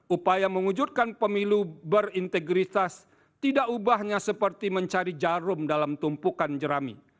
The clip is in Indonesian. upaya mewujudkan pemilu berintegritas tidak ubahnya seperti mencari jarum dalam tumpukan jerami